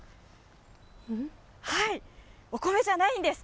お米じゃないんです。